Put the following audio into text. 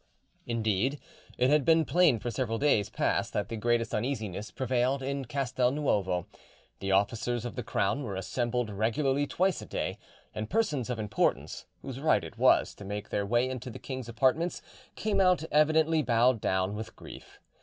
Indeed, it had been plain for several days past that the greatest uneasiness prevailed in Castel Nuovo; the officers of the crown were assembled regularly twice a day, and persons of importance, whose right it was to make their way into the king's apartments, came out evidently bowed down with grief.